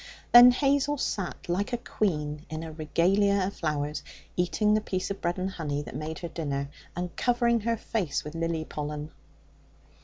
Then Hazel sat like a queen in a regalia of flowers, eating the piece of bread and honey that made her dinner, and covering her face with lily pollen.